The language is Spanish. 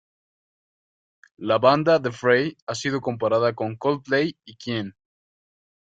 La banda The Fray ha sido comparada con Coldplay y Keane.